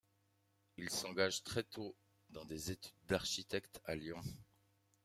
Il s'engage très tôt dans des études d’architecte à Lyon.